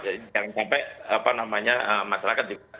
jangan sampai masyarakat